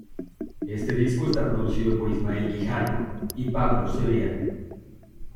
Este disco está producido por Ismael Guijarro y Pablo Cebrián.